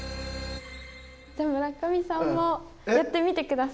じゃ村上さんもやってみてください。